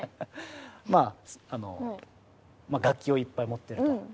まああの楽器をいっぱい持ってると。